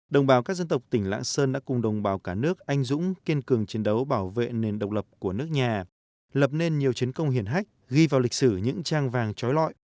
đồng bào các dân tộc tỉnh lãng sơn đã cùng đồng bào cả nước anh dũng kiên cường chiến đấu bảo vệ nền độc lập của nước nhà lập nên nhiều chiến công hiển hách ghi vào lịch sử những trang vàng trói lọi